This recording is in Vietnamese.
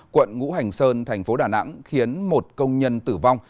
quận ngũ hành sơn thành phố đà nẵng khiến một công nhân tử vong